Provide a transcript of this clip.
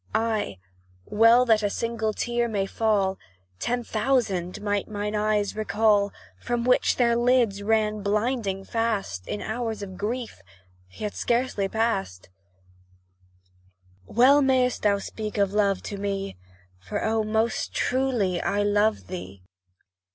Ay, well that single tear may fall; Ten thousand might mine eyes recall, Which from their lids ran blinding fast, In hours of grief, yet scarcely past; Well mayst thou speak of love to me, For, oh! most truly I love thee!